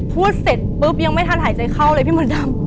พูดเสร็จปุ๊บยังไม่ทันหายใจเข้าเลยพี่มดดำ